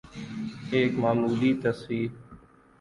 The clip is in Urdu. ایک معمولی تصحیح۔